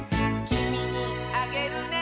「きみにあげるね」